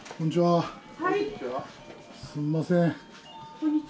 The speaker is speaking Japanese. こんにちは。